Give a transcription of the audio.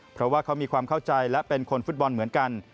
เพราะว่าเขามีความเข้าใจและเป็นคนฟุตบอลเหมือนกัน